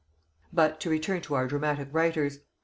But to return to our dramatic writers